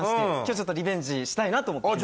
今日ちょっとリベンジしたいなと。